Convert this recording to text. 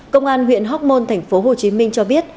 công an huyện hóc môn tp hcm cho biết